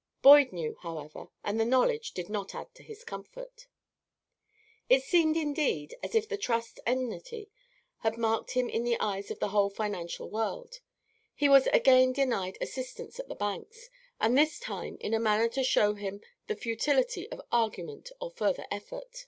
Boyd knew, however, and the knowledge did not add to his comfort. It seemed, indeed, as if the Trust's enmity had marked him in the eyes of the whole financial world; he was again denied assistance at the banks, and this time in a manner to show him the futility of argument or further effort.